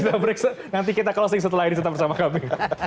kita breaksa nanti kita closing setelah ini tetap bersama kami